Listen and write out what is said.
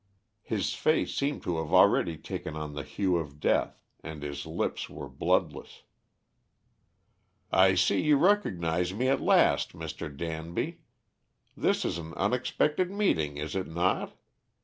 His face seemed to have already taken on the hue of death and his lips were bloodless. "I see you recognise me at last, Mr. Danby. This is an unexpected meeting, is it not?